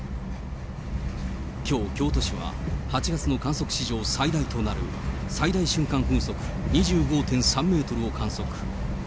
きょう、京都市は、８月の観測史上最大となる最大瞬間風速２５．３メートルを観測。